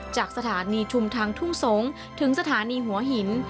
จากสถานีชุมทางทุ่งสงศ์ถึงสถานีหัวหิน